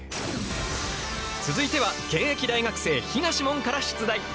続いては現役大学生東問から出題！